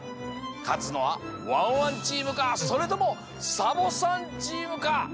かつのはワンワンチームかそれともサボさんチームか！？